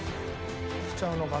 きちゃうのかな？